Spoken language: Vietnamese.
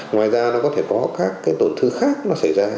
ngoài ra nó có thể có các cái tổn thương khác nó xảy ra